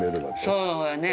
そうやね。